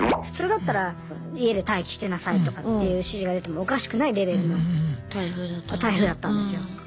普通だったら家で待機してなさいとかっていう指示が出てもおかしくないレベルの台風だったんですよ。